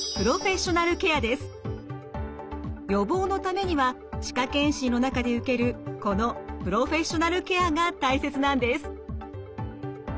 予防のためには歯科健診の中で受けるこのプロフェッショナルケアが大切なんです。